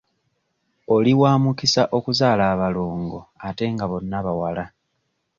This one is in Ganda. Oli wa mukisa okuzaala abalongo ate nga bonna bawala.